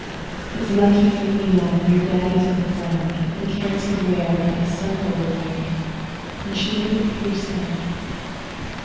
"It's lucky for me, lad, Your daddy's in the ground, And can't see the way I let His son go around!" And she made a queer sound.